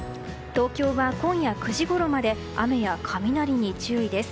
東京は今夜９時ごろまで雨や雷に注意です。